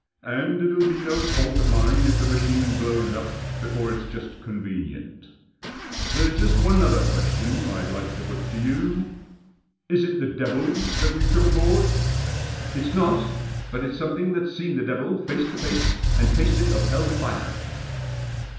And it'll be no fault of mine if the machine blows up before it's just convenient There's just one other question I'd like to put to you. Is it the devil that we've took aboard ?" Digitized by THE JOSS REVERTS. 265 " It's not. But it's something that's seen the devil face to face, and tasted of hell fire."